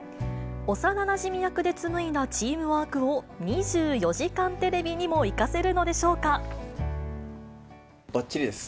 幼なじみ役で紡いだチームワークを２４時間テレビにも生かせるのばっちりです。